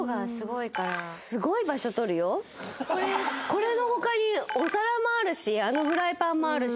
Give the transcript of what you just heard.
これの他にお皿もあるしあのフライパンもあるし。